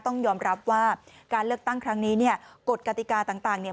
ต้องยอมรับว่าการเลือกตั้งครั้งนี้เนี่ยกฎกติกาต่างเนี่ย